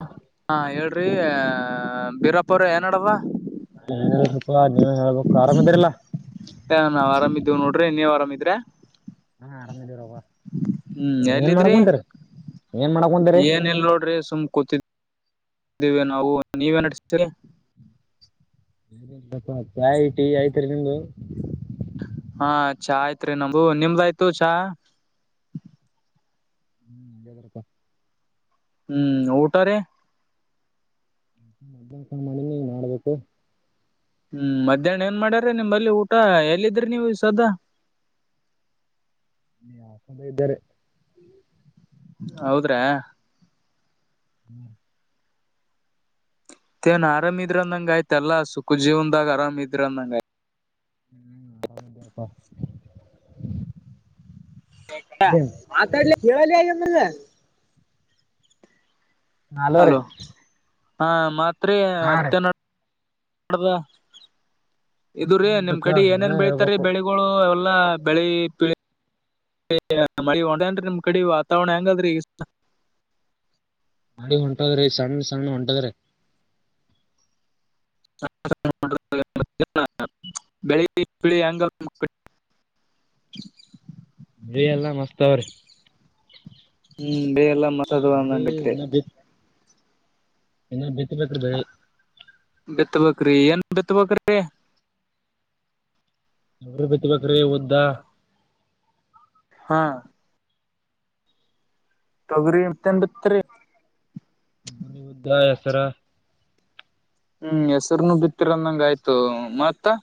ಹಾ. ಹಾ ಹೇಳ್ರಿ ಬಿೀರಪ್ಪ್ರ ಏನಡವ. ಸ್ವಲ್ಪ ನೀವನ್ ಹೇಳ್ಬೇಕು ಆರಾಮ ಇದರಿಲ್ಲಾ ಹ ನಾವ್ ಆರಾಮ ಇದೇವು ನೋಡ್ರಿ ನೀ ಆರಾಮಿದ್ರೆ. ಹಾ ಆರಾಮ ಇದೀರ. ಹ್ಮ್ ಎಲ್ಲಿದ್ರಿ ಏನ್ ಮಾಡಕ್ ಕುಂತೀರಿ ಏನ ಇಲ್ ನೋಡ್ರಿ ಸುಮ್ ಕೂತಿದ. ಈಗ ನಾವು ನೀವೇನ್ಡತೀರಿ. ಚಾಯ ಟಿ ಆಯ್ತ್ರಿ ನಿಮ್ದು. ಹಾ ಚಾ ಆಯ್ತ್ರಿ ನಮವು ನಿಮ್ದ ಆಯ್ತು ಚಾ. ಹ್ಮ್ ಅದ್ರಪ್ಪ [unintelligible] ಹ್ಮ್ ಊಟ ರಿ. ಹ. ಹ್ಮ್ ಮಧ್ಯಾಹ್ನ ಏನ್ ಮಾಡ್ಯ್ರ ನಿಮ್ಮಲ್ಲಿ ಊಟ ಎಲ್ಲಿದ್ರಿ ನೀವು ಸದಾ. ನೀ ಯಕಂದ ಇದ್ದಾರೆ. ಹೌದ್ರಾ. ಹ್ಮ್ ಏನ್ ಆರಾಮಿದ್ರ ಅಂದಂಗ ಆಯ್ತಲ್ಲ ಸುಖ ಜೀವನ್ದಾಗ ಆರಾಮ ಇದ್ರಂದಂಗಯ. ಹ್ಮ್ ಆರಾಮಿದ್ದಪ್ಪ. ಆತಡ್ಲ್ಲ ಕೆಲ. ಹಲೋ ಹ ಮಾತ್ ಹಾ ರೀ ಹತ್ತ. ಮಾಡದ ಇದು್ರೀ ನಿಮ್ ಏನಿಲ್ರಪ್ಪ ಕಡೆ ಏನೇನ್ ನೀವೇ ಬೆಳತಾರೀ ಹೇಳ್ಬೇಕು ಬೆಳೆ. ಎಲ್ಲಾ ಬೆಳಿತಿವಿ ಮಿ ಒೇನ್ಿ ನಿಮ್ ಕಡೆ ವಾತಾವರಣ ಹೆಂಗಾದ್ರಿ ಈಗ. ಮಾಡ ಹೊಂಟದ್ರ ಈ ಸಣ್ಣ ಸಣ್ಣ ಹೊಂಟದ್ರೆ. [unintelligible] ಬೆಳಗ್ಳಿ ಅಂಗ. ನೀ ಎಲ್ಲಾ ಮಸ್ತ್ ಅವ್ರಿ. ಹ್ಮ್ ಬೇ ಎಲ್ಲಾ ಮಸದು ಬೆಳಿ ಅಂಗಂಗತ್ರಿ ಏ ಬಿತ್ ಬೇಕ್ರೆ ಬೇಿ ಬಿತ್ತಬೇಕ್ರಿ ಏನ್ ಬಿತ್ತಬೇಕ್ರಿ ನ್ರರು ಬಿತ್ಬೇಕ್ರೀ ಓದ್ದ ಹಾ ತಗರಿ ಎನ್ ಬಿತ್ರಿ ಮನ ಉದ್ದ ಹೆಸರ ಹ್ಮ್ ಹೆಸರುನು ಬಿತ್ತಿರಂದಂಗ ಆಯ್ತು ಮತ್ತ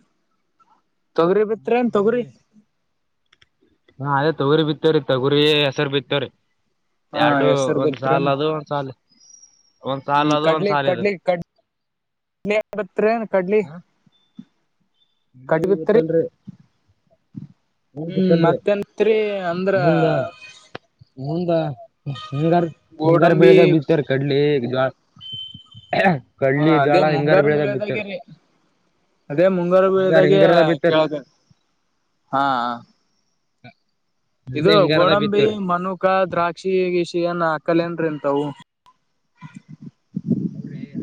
ತೊಗರಿಿ ಬಿತ್ೇಏನ್ ತೊಗ್ರರಿ ಹಾ ಅದೇ ತಗರಿ ಬಿತ್ತೇವ್ರರಿ ತಗರಿ ಹೆಸರು ಬಿತ್ತೇವ್ರರಿ. ಹಾ ಎರಡು ಹೆಸರು ಒಂದ್ ಬಿತ್ರೇನ್ ಸಲ್ ಅದು ಒಂದ್ಸಲ್ ಒಂದ್ ಹ್ಮ್ ಸಲ್ ಅದು ಒಂದ್ ಸಾಲ ಇದು. ಇತ್ತೇ ಕಡ್ಲಿ. ಕಡ್ಲಿ ಬಿತ್ತರಿ ಇವತ್ತಲ್ರಿ ಹ್ಮ್ ಮತ್ತೆನ್ತ್ರಿ ಅಂದ್ರ ಮುಂದ ಮುಂದ ಹಿಂಗಾರ ಹಿಂಗಾರ ಗೋಡಂಬಿ ಬೆಳದ ಬಿತ್ತಾರ ಕಡ್ಲಿ ಜ ಹಾ ಕಡ್ಲಿ ಅದೇ ಜಳ ಹಿಂಗಾರ ಮುಂಗಾರು ಬೆಳದಾಗ ಬಿತ್ತಾಾರ ಬೆಳೆದಾಗ್ಯರಿ ಅದೇ ಮುಂಗಾರು ಬೆಳದಾಗ ಹಿಂಗಾರದ ಬಿತ್ತಾರ ಕೇಳ ಹಾ ಒಳ್ಳೆ ಇದು ಹಿಂಗಾರದ ಗೋಡಂಬಿ ಬಿತ್ತವ್ರಿ ಮನುಕ ದ್ರಾಕ್ಷಿಗಶನ್ ಅಕ್ಕಲ ಏನ್ರಿ ಅಂತವು ಹ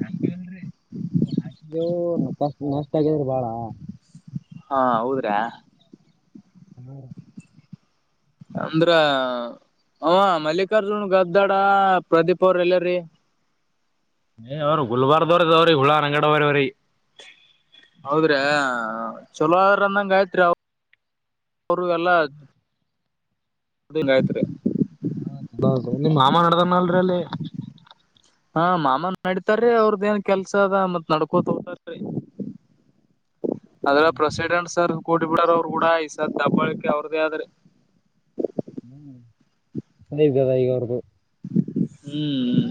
ಹಾಕಲ್ ಹಾಕಿದವು ಕಷ್ಟ ನಷ್ಟ ಆಗ್ಯದ್ರಿ ಬಾಳ ಹಾ ಹೌದ್ರೆ ಹ್ಮ್ ಅಂದ್ರ ಅವ ಮಲ್ಲಿಕಾರ್ಜುನ್ ಗದ್ದಾಡ ಪ್ರದೀಪ್ ಅವ್ರ ಎಲ್ಲಾರ ಏ್ ಅವ್ರು ಗುಲ್ಬಾರ್ದವ್ರ ಇದದಾವ್ರೀ ಹುಳಾ ಅಂಗಡವರವ್ರೀ ಹೌದ್ರೆ ಚಲೋದ್ರ ಅಂದಂಗ ಆಯ್ತ್ರಿ ಅವ್ರ ಎಲ್ಲ ಹಿಂಗ ಐತ್ರಿ ಹಾ ತುಾದು ನಿಮ್ಮ್ ಮಾಮ ನಡ್ದನ್ ಅಲ್ರಿ ಅಲ್ಲಿ ಹಾ ಮಾಮನ್ ನಡಿತಾರೀ ಅವ್ರದ ಏನ್ ಕೆಲ್ಸ ಅದ ಮತ್ ನಡ್ಕೋತೋತಾರೀ ಅದ್ರ ಪ್ರೆಸಿಡೆಂಟ್ ಸರ್ ಕೂಡಿ ಬಿಡೋಾರ ಅವರು ಕೂಡ ಈ ಸರ್ ದಬ್ಬಾಳಕೆ ಅವ್ರದೇ ಆದ್ರೆ ಹ್ಮ್ೇವಗದ ಈಗ ಅವ್ರ್ದು ಹ್ಮ್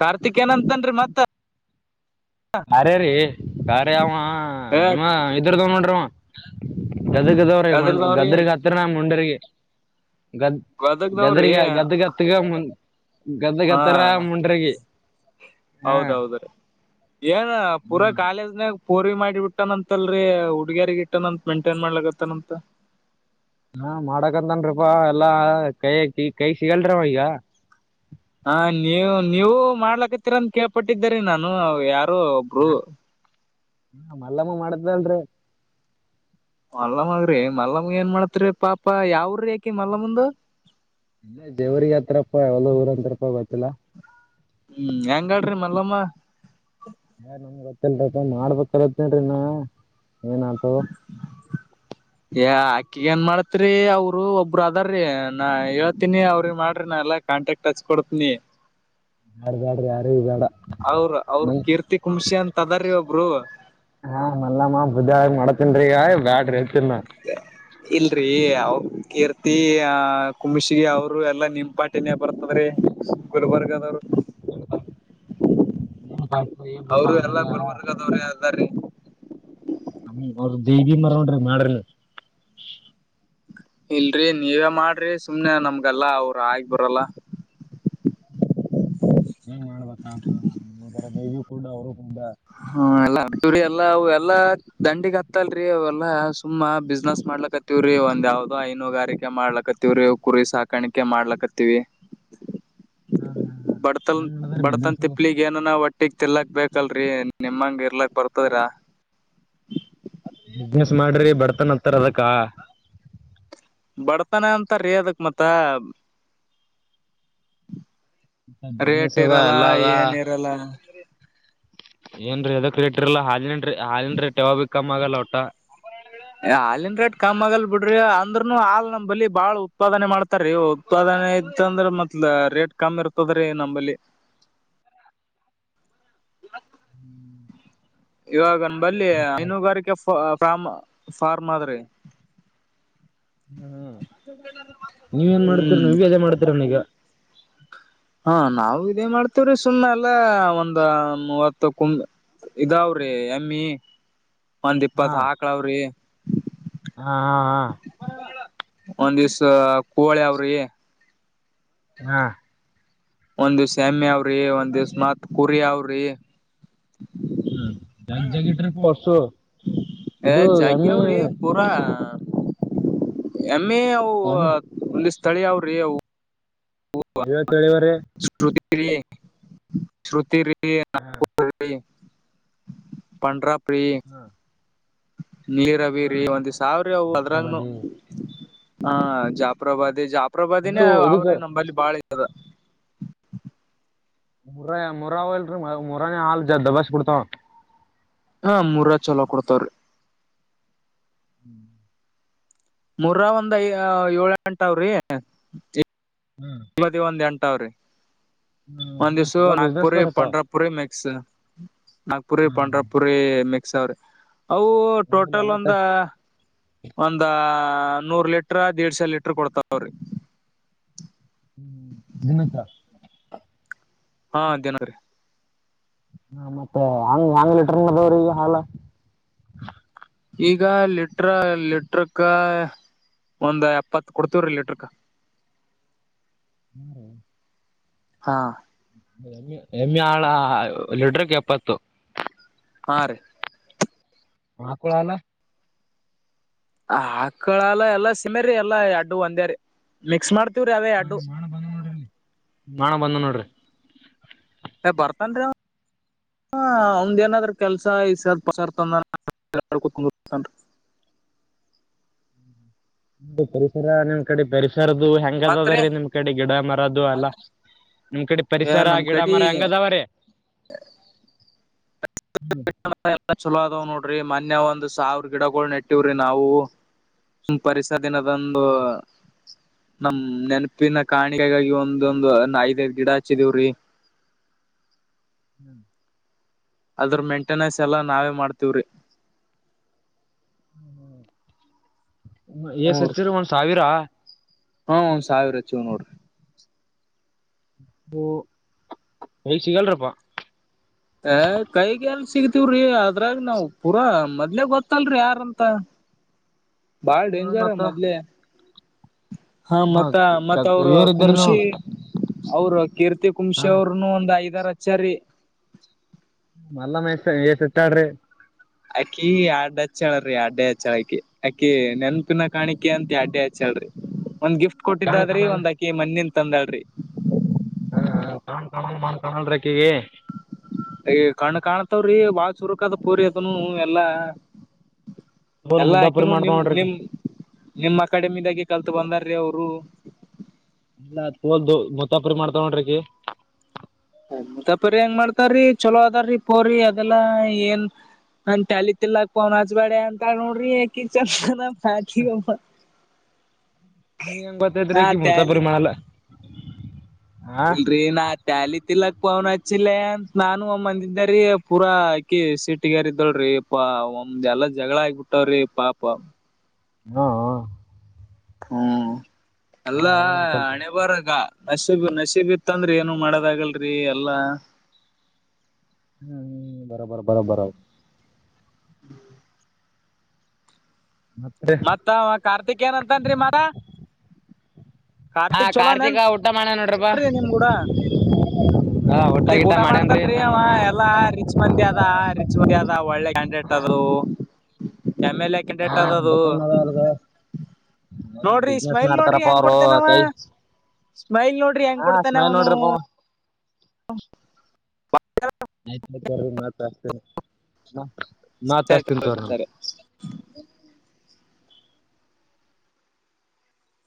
ಕಾರ್ತಿಕೇನಂತನ್ರಿ ಮತ್ತ ಅರೇ ರೀ ಬಾರಿ ಅವ ಏ ನಿಮ್ಮ ಇದ್ರದವ ನೋಡ್ರಿ ಅವ ಗದಗದವ್ರೀ ಗದಗ್ದವ್ರಿ ಗದ್ರಿಗೆ ಹತ್ರನ ಮುಂಡ್ರಗಿ ಗದ್ ಗದರಿ ಗದಗ್ದವ್ರಿ ಗ ಗದ್ದ ಗತ್ತುಗ ಮು ಗದ್ದ ಹಾ ಗದತ್ತಾರ ಮುಂಡ್ರಗಿ ಹಾ ಏನ್ ಪೂರಾ ಕಾಲೇಜ್ನಾಗ ಪೂರಿವಿ ಮಾಡಿಬಿಟ್ಟನಂತಲ್ರರಿ ಹುಡುಗ್ಯಾರಿಗ ಇಟ್ಟನಂತ ಮೇಂಟೈನ್ ಮಾಡ್ಲತ್ತನಂತ ಹಾ ಮಾಡಕಂತನ್ಿಪಾ ಎಲ್ಲಾ ಕೈ ಕೈ ಸಿಗಲ್ರವ ಈಗ ಹ ನೀವು ನೀವು ಮಾಡ್ಲಕತ್ತೀರಂತ ಕೇಳ್ಪಟ್ಟಿದ್ದರಿ ನಾನು ಯಾರು ಹುಡುಗ್ರು ಹ ಮಲ್ಲಮ್ಮ ಮಾಡದ್ಲ್ರರಿ ಮಲ್ಲಮ್ಮಗ್ರಿ ಮಲ್ಲಮ್ಮ ಏನ್ ಮಾಡತಿರಿ ಪಾಪ ಯಾವ್ ಉರಿ ಅಕಿ ಮಲ್ಲಮ್ಮಂದು ಇಲ್ಲೆ ದೇವ್ರಿಗೆ ಹತ್ತಪ್ಪ ಎಲ್ಲೋ ಊರ ಅಂತತ್ರಪ್ಪ ಗೊತ್ತಿಲ್ಲಾ ಹ್ಮ್ ಹೆಂಗಾಳ್ರಿ ಮಲ್ಲಮ್ಮ ಏ ನಮ್ಗೆ ಗೊತ್ತಲ್ರಿಪ ಮಾಡ್ಬೇಕರ್ಯತಿನ್ರಿ ನಾ ಏನ್ ಆತು ಏ ಅಕ್ಕಿಗ ಏನ್ ಮಾಡತ್ರಿ ಅವರು ಒಬ್ಬರು ಅದಾರ್ರೀ ನಾ ಹೇಳ್ತೀನಿ ಅವ್ರಿ ಮಾಡ್ರಿ ನಾ ಎಲ್ಲ ಕಾಂಟ್ಯಾಕ್ಟ್ ಟಚ್ ಕೊಡುದ ನೀ ಬ್ಯಾಡ ಬ್ಯಾಡ್ರಿ ಯಾರಿಗ್ ಬೇಡ ಅವ್ರ ಅವ್ರ ನಂಗ್ ಕೀರ್ತಿ ಕುಂಶಿ ಅಂತ ಅದ್ರೀ ಒಬ್ರು ಹಾ ಮಲ್ಲಮ ಗುದ್ದ್ಯಾಡಿ ಮಾಡತಿನ್ರಿ ಇಗಾ ಬ್ಯಡ್ರಿ ಅತನ ನಾ ಇಲ್ರಿ ಅವ ಕೀರ್ತಿ ಆ ಕುಮಶಗಿ ಅವರು ಎಲ್ಲಾ ನಿಮ್ಮ ಪಾ ತಿನ್ಯ ಬರ್ತದ್ ರಿ ಗುಲ್ಬರ್ಗದವ್ರು [unintelligible] ಅವರು ಎಲ್ಲಾ ಅವ್ರಲ್ಲ ಗುಲ್ಬರ್ಗದವ್ರೇ ಅದಾರಿ ಹ್ಮ ಅವ್ರ ಜಿಬಿ ನೋಡ್ರೆ ನೋಡಿ ಮಾಡ್ರಿ ಅಲ್ಲಿ ಇಲ್ರಿ ನೀವೇ ಮಾಡ್ರಿ ಸುಮ್ನೆ ನಮ್ಗೆಲ್ಲ ಅವರು ಆಗಿಬರಲ್ಲ ಹ್ಮ್ ಏನ್ ಮಾಡ್ಬೇಕಾರೆ ದೇವಿ ಕುಡ್ಡ ಅವರು ಕುಡ್ಡ ಹ್ಮ ಎಲ್ಲ ಅದುರಿ ಎಲ್ಲಾ ಅವ ಎಲ್ಲಾ ದಂಡಿಗ್ ಹತ್ತಲ್ರಿ ಅವೆಲ್ಲಾ ಸುಮ್ಮ ಬಿಸ್ನೆಸ್ ಮಾಡ್ಲಕ್ತ್ ತ್ತವ್ರೀ ಒಂದ್ ಯಾವ್ದೋ ಹೈನುಗಾರಿಕೆ ಮಾಡ್ಲಕತ್ತೀವ್ರೀ ಕುರಿ ಸಾಕಾಣಿಕೆ ಮಾಡ್ಲಕತ್ತೀವಿ ಹಾ ಹಾ ಹಾ ಬಡತನ್ ಹೆಂಗ್ ನಡದಾರಿ ಬಿಸ್ನೆಸ್ ಬಡತನ್ ಅದು ತಿಪ್ಪಲಿ ಈ ಏನ ನಾವ ಹೋಟ್ಟಿಗ್ ತಿನ್ಲಕ್ ಬೇಕಲ್ರಿ ನಿಮ್ಮಂಗ ಇರ್ಲಕ್ ಬರ್ತದರೀ ಬಿಸ್ನೆಸ್ ಮಾಡ್ರಿ ಬರ್ತನ್ ಅತ್ತಾರ ಅದಕ್ಕ ಬಡ್ತಾನ ಅಂತರಿ ಅದಕ್ ಮತ್ತ ರೇಟ್ ಬಿಸಿನೆಸ್ ಅದ ಇರಲ್ಲ ಎಲ್ಲಾ ಅದ ಏನ್ ಇರಲ್ಲ ಏನ್ ಎದಕ್ ರೆಟಿರಲ್ಲ ಹಾಲಿನ್ ಹಾಲನ್ ರೇಟ್ ಯಾವಾಗ ಬಿ ಕಮ್ಮ್ ಆಗಲ್ಲ ಒಟ್ಟ ಹಾಲನ್ ರೇಟ್ ಕಮ್ ಆಗಲ್ ಬಿಡ್ರಿ ಅಂದ್ರು ಹಾಲ ನಮಂಬಲಿ ಬಾಳ ಉತ್ಪಾದನೆ ಮಾಡ್ತ ಇತ್ತ ರೀ ಉತ್ಪಾದನೆ ಇತ್ ಅಂದ್ರ ಮತ್ಲ ರೇಟ್ ಕಮ್ಮಿ ಇರ್ತದ ರೀ ನಂಬಲ್ಲಿ ಹ್ಮ್ ಇವಾಗನ್ ನಮಂಬಲ್ಲಿ ಹೈನುಗಾರಿಕೆ ಫ್ಮ್ ಫಾರ್ಮ್ ಆದ್ರಿ ಹ್ಮ್ ನೀವ ಏನ್ ಮಾಡ್ತೀರಿ ಹ್ಮ್ ನೀವ್ವಿ ಅದೆೇ ಮಾಡ್ತೀರಿನ ಇಗಾ ಹಾ ನಾವು ಇದೇ ಮಾಡ್ತವ್ರಿ ಸುಮ್ನೆ ಎಲ್ಲಾ ಒಂದ ಮೂವತ್ತು ಕುಂಬ ಇದಾವ್ರಿ ಎಮ್ಮಿ ಒಂದ್ ಇಪ್ಪತ್ ಹಾ ಆಕ್ಳಾವ್ರಿ. ಹಾ ಹಾ ಹಾ. ಒಂದಿವ್ಸ ಕೋಳಿ ಅವ್ರಿ ಹಾ ಒಂದಿವಸ್ ಎಮ್ಮಿ ಅವ್ರಿ ಒಂದ ದಿವ್ಸ ಮತ್ ಕುರಿ ಅವ್ರಿ ಹ್ಮ್ ಜ್ಯ ಜಗಿ ಇಟ್ಟರಿ ಪಾ ಹಸು ಇದೂ ಎಮ್ಮಿ ಪುರಾ ಯಮ್ಮಿ ಅವ [unintelligible] ಒಂದಿಸತಳೀ ಅವ್ರಿ ಅವು ನೀವ ತಳವ್ರೀ [unintelligible] ಪನಂಡರ ಪ್ರಿ ನೀರಬೀರಿ ಒಂದ ಸಾವ್ರ ಅ ಅದ್ರಂಗನು ಪ್ರಭದಿ ಹಾ ಜಾಫ್ರಬಾದಿ ಜಾಫ್ರಬಾದಿನೇ ಇದು ಇದಕ್ಕೆ ಅವ್ರೇ ನಂಬಲ್ಲಿ ಬಾಳ ಇದ ಮುರ ಮುರಾವ ಇಲ್ರರಿ ಮುರಾನೇ ಹಾಲ ಜ ದಬ್ಬಾಸಿ ಕೋಡ್ತಾವ ಹಾ ಮೂರ್ ಚಲೋ ಕೊಡ್ತಾವ್ರಿ ಹ್ಞೂ ಮೂರಾವ ಒಂದ್ ಏಳ ಎಂಟಾವ್ರಿ ಹ್ಮ್ ಇದಿ ಒಂದ ಎಂಟ ಅದಾವ್ರಿ ಒಂದ್ ಹ್ಮ್ ದಿವಸ ಚಲೋ ನಾಗಪುರಿ ಬಿಸ್ನೆಸ್ದಾರ್ ಅಪ್ಪ ಪ್ರಂಡಾ ಪುರಿ ಮಿಕ್ಸ್ ನಾಗಪುರಿ ಹ್ಮ್ ಪಂಡ್ರಪುರಿ ಮಿಕ್ಸ್ ಅವ್ರಿ ಅವು. ನಿಮ್ಮಲ್ಲಿ ಟೋಟಲ್ ಎಲ್ಲತ್ತ ಒಂದು ಒಂದ ನೂರ್ ಲೀಟ್ರ ದೀಡಸೇ ಲೀಟ್ರ ಕೊಡ್ತಾವ್ರಿ. [unintelligible] ಹಾ ದಿನರಿ ಹ ಮತ್ತೆ ಹಂಗ ಆಂಗ್ ಲೀಟರ್ ಮದವ್ರಗೆ ಹಾಲಾ. ಈಗ ಲಿಟ್ರ ಲಿಟ್ರಕ್ಕ ಒಂದ್ ಎಪ್ಪತ್ ಕೊಡ್ತೀವ್ರಿ ಲೀಟರ್ಕ ಹೂ ರ್ರೀ ಹಾ ಹೆಮ್ಮೆ ಹೆಮ್ಮೆ ಹಾಲಾ ಲಿಟ್ರಕ್ ಎಪ್ಪತ್ತು ಹಾ ರೀ ಆಕಳ ಹಾಲ ಆಕ್ಕಳಲ್ಲ ಎಲ್ಲಾ ಸಿಮ್ಮ್ರೀ ಎಲ್ಲಾ ಅಡ್ಡು ಒಂದ್ಯ ರೀ ಮಿಕ್ಸ್ ಮಾಡ್ತಿವ್ರಿ ಅವದೇ ಅಡ್ಡು ಬ ನೋಡ್ರಿ ನಣ ಬಂದ ನೋಡ್ರಿ ಏ್ ಬರ್ತನ್ರೀ ಅಂವ್ ಹ ಒಂದದಿನಾದ್ರ ಕೆಲ್ಸ ಐದ ಪರಿಸರ ನಿಮ್ ಕಡೆ ಪರಿಸರ್ದ ಹೆಂಗ ಅದ ಮತ್ರಿ ಅದ್ರೀ ನಿಮ್ ಕಡೆ ಗಿಡ ಮರದು ಅಲ್ಲ ನಿಮ್ ಕಡೆ ಏ ಪರಿಸರ ನಮ್ ಗಿಡ ಕಡಿ ಮರ ಹೆಂಗದಾವರೀ ಎಲ್ಲ ಚಲೋ ಅದಾವ್ ನೋಡ್ರಿ ಮನ್ೆ ಒಂದ್ ಸಾವಿ್ರ ಗಿಡಗಳಗಳು ನೆಟ್ಟಿವ್ರಿ ನಾವು ಪರಿಸರ ದಿನದೊಂದು ಹ್ಮ್ ನಮ್ ನೆನಪಿನ ಕಾಣಿಕೆಗಾಗಿ ಒಂದೊಂದು ಐದ್ೈಐ್ ಗಿಡ ಹಚ್ಚಿದೀವ್ರೀ ಹೂ ಅದ್ರ ಮೇಂಟೆನೆನ್ಸ್ ಎಲ್ಲಾ ನಾವೇ ಮಾಡ್ತವ್ರಿರೀ ಎಏಸಹಚಿರಿ ಒಂದ್ ಸಾವಿರ ಹುಂಒಂದ ಸಾವಿರ ಹಚ್ಚಿವಿ ನೋಡ್ರಿ ಓಂ ಎಲ್ಲಿ ಸಿಗಲ್ರಪ್ಪಾ ಅ ಕೈಗೆಲ್ ಸಿಗ್ತಿವ್ರಿ ಅದ್ರಾಗ ನಾವ್ ಪೂರಾ ಮೊದ್ಲೆಗ್ ಗೊತ್ತಲ್ರಿ ಯಾರಂತ. ಬಾಳ ಹ ಡೆಂಜರ್ ಮತ್ತ ಮಾಡ್ಲೆ ಹಾ ಮತ್ತ ಮತ್ತ ಅವರು ಇವ್ರ ಇದ್ದಾರ ನೀವು ಕುಂಶಿ ಅವರು ಕೀರ್ತಿ ಕುಂಶಿ ಅವರು. ಒಂದ್ ಐದರ ಹಚ್ಚರಿ ಮಲ್ಲ ಮೈಸ ಏ ಸುತ್ತಾಡ್ರಿ. ಅಕ್ಕಿ ಅಡ್ ಹಚ್ಚಳ್ರಿ ಅಡ್ಡೆ ಹಚ್ಚಳ ಅಕಿ ಅಕ್ಕಿ ನೆನ್ಪಿನ ಕಾಣಿಕೆ ಅಂತ ಅಡ್ಡ ಹಚ್ಚಳ್ರಿ. ಒಂದ್ ಗಿಫ್ಟ್ ಕಾಣ ಕೊಟ್ಟಿದ್ದ್ರಿ ಕಾಣ ಒಂದ್ ಅಕಿ ಮಣಿಂದ ತಂದಳ್ರಿ ಹಾ ಕನ್ ಕಾಣಾ ಮಣ ಕಾಣಲ್ ರ್ರೀ ಆಕಿಗೆ ಕಣು ಕಾಣತವ್ರಿ ಬಾಳ ಚುರುಕ ಅದವ್ ಪೂರಿ ಅದನು ಎಲ್ಲಾ. ತೋಲ್ ಎಲ್ಲಾ ಮುದ್ದಾಪುರಿ ಹಾಕಿನೂ ಮಾಡ್ತಾಳ ನಿಮ್ ನೋಡ್ರಿ ಆಕಿ ನಿಮ್ ನಿಮ್ ಅಕಡೆಮಿದಾಗೆ ಕಲ್ತ್ ಬಂದಾರೀ ಅವ್ರು. ಇಲ್ಲ ತೋಲ್ ದ ಮುತಾಪ್ರರಿ ಮಾಡ್ತಾಳ್ ನೋಡ್ರಿ ಅಕ್ಕಿ ಮುತಾಪರಿ ಹೆಂಗ್ ಮಾಡ್ತಾರೀ ಚಲೋ ಅದಾರೀ ಪೋ್ರಿ ಅದೆಲ್ಲಾ ಏನ್ ಅಂತ ಅಲತಿಲಾಕ್ ಪೋನ್ ಅಚ್ಚ ವ ವಾಡ್ಯ ನೋಡ್ರಿ ಯಾಕಿ ಚಂದ ಹಾಂಜಿ ಒಮ್ಮತ ನೀ ಹೆಂಗ್ ಬತತ ರೆ ಮುತಾ ಪೂರಿ ಮಾಡಲ್ಲ ಹಾ ಇಲ್ರರಿ ಏನಾತ್ ್ಯಾಲಿ ತಿಲಕ್ ಪವನ್ ಹಚ್ಚಿಲ್ ಅಂತ ನಾನು ಒಮ್ಮೆ ಮಂದ ಇದಿದ್ದಾರೀ ಪೂರಾ ಆಕಿ ಸಿೀಟಿಗೇರಿದುಳ್ರಿ ಪಾ ಒಮ್ದ್ ಎಲ್ಲಾ ಜಗಳ ಆಗಬಿಟ್ಟಾವ್ರಿ ಪಾಪಾ ಹಾ ಬಾಳ ಅಲ್ಲ ಹೈರಾಣ ಅಲ್ಲ ಐತಲ್ರಿ ಹಣೆ ಬರ್ಗ ನಶಿಬ ನಶಿಬಿತ್ತಂದ್ರಿ ಏನು ಮಾಡೋದಗಲ್ರಿ ಎಲ್ಲಾ ಹ್ಮು ಬರೋಬ್ಬರ್ ಬರೋಬ್ಬರ್ ಅವ. ಹ್ಮ್. ಮತ್ತ್. ಮತ್ತ ಕಾರ್ತಿಕ ಏನಂತನ್ರಿ ಮರ. ಹಾ ಕಾರ್ತಿಕ್ ಕಾರ್ತಿಕ ಚಲೋನನ್ರಿ ಊಟ ಮಾಡನ್ ನೋಡ್ರಿ. ನಿಮ್ ಗೂಡ ಹ ಒಊಟ್ಟ ಗಿಟ ಮಾಡ್ಯನ್ರಿ ಚಂದಮ. ಲ್ಲ ರಿಚ್ ಮಂದಿ ಅದ ರಿಚ್ ಮಂದಿ ಅದ ಒಳ್ಳೆ ಕ್ಯಾಂಡಿಡೇಟ್ ಅದು ಎಮ ಲ್ ಏ. ಡೇಟ್ ಹಾ ಅದದು. ದುಕಾನ್ ಅದ ಅವ್ರ್ದ ಹಾ ನೋಡ್ರಿ ಬಿಸ್ನೆಸ್ ಸ್ಮೈಲ್ ನೋಡ್ರಿ ಮಾಡ್ತಾರಪ್ಪ ಹೆಂಗ್ ಅವ್ರು ಕೊಡ್ತನವ ಕೈ ಸ್ಮೈಲ್ ನೋಡ್ರಿ. ಹೆಂಗ್ ಹಾ ಕೊಡ್ತಾನ ಸ್ಮೈಲ್ ಅವನು. ನೋಡ್ರಿಪ್ಪ ಆಯ್ತ [unintelligible] ಮತ್ತ ಹಚ್ತೇನಿ ಮತ್ತ ಸರಿ. ಹಚ್ತೇನಿ ತೊಗೊರಿ. ಸರಿ.